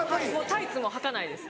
タイツもはかないです